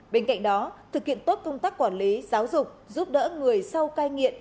bên cạnh đó thực hiện tốt công tác quản lý giáo dục giúp đỡ người sau cai nghiện